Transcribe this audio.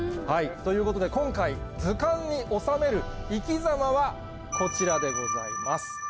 ということで今回図鑑に収めるいきざまはこちらでございます。